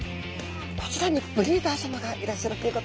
こちらにブリーダーさまがいらっしゃるということで。